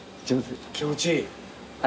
気持ちいい。